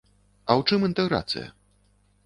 А ў чым інтэграцыя?